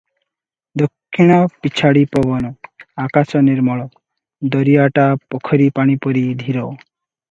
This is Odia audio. ଦକ୍ଷିଣା ପିଛାଡ଼ି ପବନ- ଆକାଶ ନିର୍ମଳ- ଦରିଆଟା ପୋଖରୀ ପାଣି ପରି ଧୀର ।